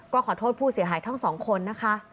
ก็ขอโทษผู้เสียหายทั้งสองคนนะคะ